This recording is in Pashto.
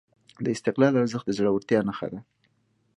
د استقلال ارزښت د زړورتیا نښه ده.